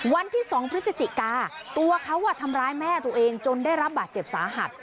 วันที่๒พฤศจิกาตัวเขาทำร้ายแม่ตัวเองจนได้รับบาดเจ็บสาหัส